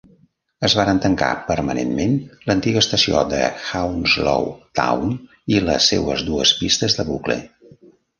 Es varen tancar permanentment l'antiga estació de Hounslow Town i les seues dues pistes de bucle.